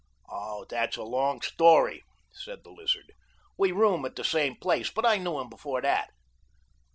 "Oh, that's a long story," said the Lizard. "We room at the same place, but I knew him before that."